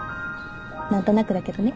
何となくだけどね。